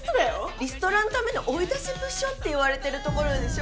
リストラのための追い出し部署って言われてるところでしょ？